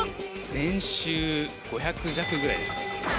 年収５００弱ぐらいですかね。